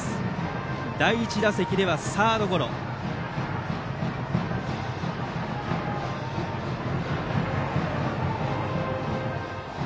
第１打席ではサードゴロでした。